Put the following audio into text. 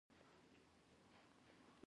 شرمښ د خدا يه څه غواړي ؟ باد و باران.